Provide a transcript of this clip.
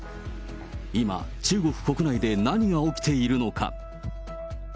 今、中国国内で何が起きているのか。